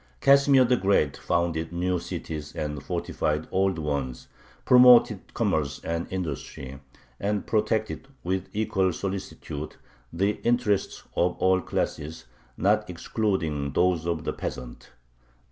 Casimir the Great founded new cities and fortified old ones, promoted commerce and industry, and protected, with equal solicitude, the interests of all classes, not excluding those of the peasants.